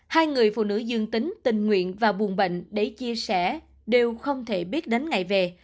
hai người phụ nữ dương tính tình nguyện và buồn bệnh để chia sẻ đều không thể biết đến ngày về